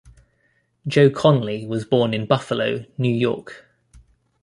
Joe Conley was born in Buffalo, New York.